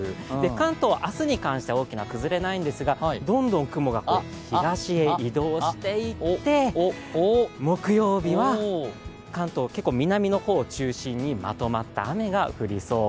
関東、明日に関しては大きな崩れないんですがどんどん雲が東へ移動していって、木曜日は関東、結構、南の方を中心にまとまった雨が降りそう。